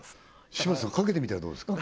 柴田さんかけてみたらどうですか？